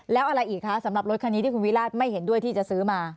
แล้วอะไรอีกคะสำหรับรถคันนี้ที่คุณวิราชไม่เห็นด้วยที่จะซื้อมา